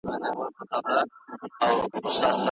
حکومت د بېکارۍ د مخنيوي لپاره څه کولي سي؟